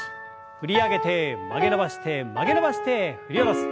振り上げて曲げ伸ばして曲げ伸ばして振り下ろす。